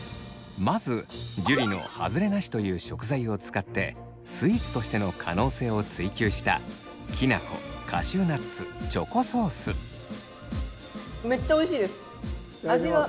まず樹のハズレなしという食材を使ってスイーツとしての可能性を追求しためっちゃおいしいです味は。